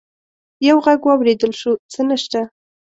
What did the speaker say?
يو غږ واورېدل شو: څه نشته!